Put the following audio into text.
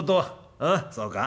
うんそうか？